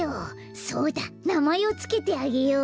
そうだなまえをつけてあげよう。